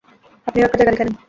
আপনিও একটা জায়গা দেখে নেন।